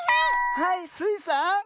はいスイさん。